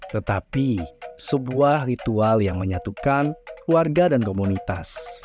tetapi sebuah ritual yang menyatukan warga dan komunitas